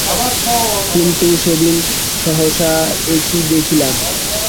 কিন্তু সেদিন সহসা এ কী দেখিলাম।